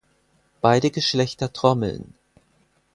Beide Geschlechter trommeln.